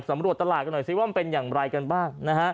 ตำรวจตลาดกันหน่อยสิว่ามันเป็นอย่างไรกันบ้างนะฮะ